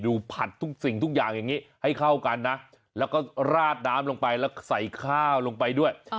ผัดทุกสิ่งทุกอย่างอย่างนี้ให้เข้ากันนะแล้วก็ราดน้ำลงไปแล้วใส่ข้าวลงไปด้วย